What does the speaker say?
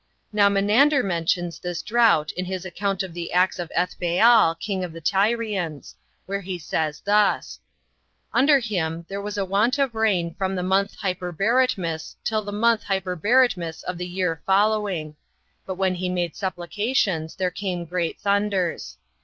Now Menander mentions this drought in his account of the acts of Ethbaal, king of the Tyrians; where he says thus: "Under him there was a want of rain from the month Hyperberetmus till the month Hyperberetmus of the year following; but when he made supplications, there came great thunders.